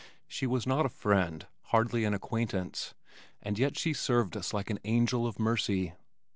She was not a friend, hardly an acquaintance, and yet she served us like an angel of mercy.